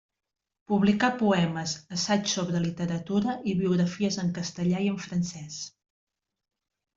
Publicà poemes, assaigs sobre literatura i biografies en castellà i en francés.